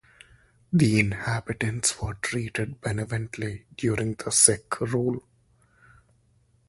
The inhabitants were treated benevolently during Sikh rule.